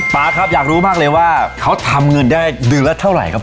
ป๊าครับอยากรู้มากเลยว่าเขาทำเงินได้เดือนละเท่าไหร่ครับ